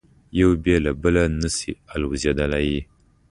یو بې له بله نه شي الوزېدای.